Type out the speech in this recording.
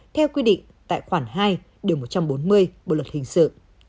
theo quy định tại khoảng hai một trăm bốn mươi bộ luật hình sự